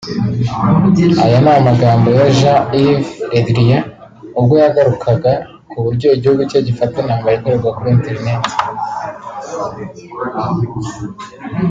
Aya ni amagambo ya Jean-Yves Le Drian ubwo yagarukaga kuburyo igihugu cye gifata intambara ikorerwa kuri internet